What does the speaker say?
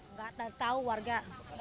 nggak tahu warga